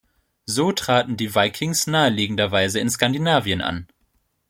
So traten die Vikings naheliegenderweise in Skandinavien an.